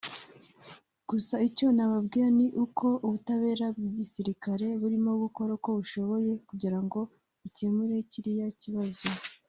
gusa icyo nababwira ni uko ubutabera bw’igisirikare burimo gukora uko bushoboye kugira ngo bukemure kiriya kibazo »